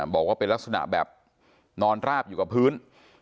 บอกว่าเป็นลักษณะแบบนอนราบอยู่กับพื้น